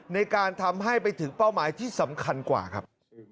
ในการทำให้ไปถึงเป้าหมายที่สำคัญกว่าครับ